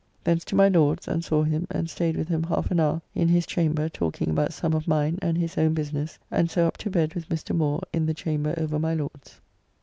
Thence to my Lord's, and saw him, and staid with him half an hour in his chamber talking about some of mine and his own business, and so up to bed with Mr. Moore in the chamber over my Lord's.